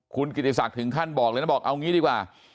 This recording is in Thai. คุณกิติศักดิ์ถึงขั้นบอกเลยนะบอกเอางี้ดีกว่า